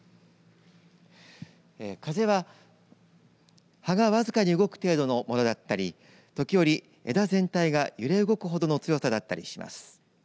風は葉がわずかに動く程度のものだったり時折枝全体が揺れ動く程の強さだったりします。